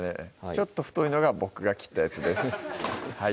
ちょっと太いのが僕が切ったやつです